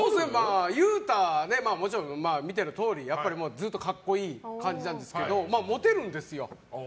裕太はもちろん見てのとおりずっと格好いい感じなんですけどモテるんですよ。